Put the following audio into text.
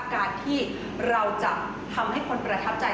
การที่เราจะทำให้คนประทับใจ